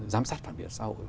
giám sát phản biệt xã hội